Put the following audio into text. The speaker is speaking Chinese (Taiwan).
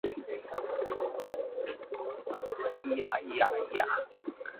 用彈幕打歌自爽